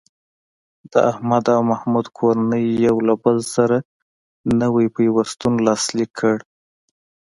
د احمد او محمود کورنۍ یو له بل سره نوی پیوستون لاسلیک کړ.